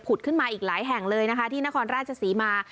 ขึ้นมาอีกหลายแห่งเลยนะคะที่นครราชศรีมา